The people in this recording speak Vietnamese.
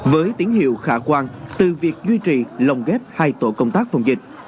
với tín hiệu khả quan từ việc duy trì lồng ghép hai tổ công tác phòng dịch